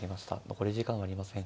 残り時間はありません。